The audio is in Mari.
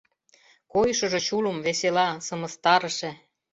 Койышыжо чулым, весела, сымыстарыше.